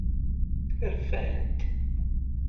Rfant.